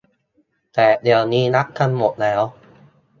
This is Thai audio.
แต่เดี๋ยวนี้รับกันหมดแล้ว